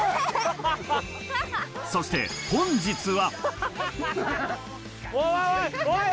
そして本日は。